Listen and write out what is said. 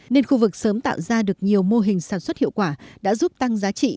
nên khu vực sớm tạo ra được nhiều mô hình sản xuất hiệu quả đã giúp tăng giá trị